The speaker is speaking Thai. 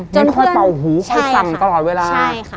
มันค่อยเป่าหูค่อยซำตลอดเวลา